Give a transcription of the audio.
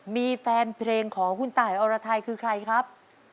มีแฟนเพลงของคุณตายอรไทยคือใครครับ